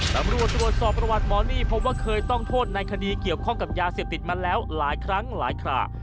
ตำรวจตรวจสอบประวัติหมอนี่พบว่าเคยต้องโทษในคดีเกี่ยวข้องกับยาเสพติดมาแล้วหลายครั้งหลายครา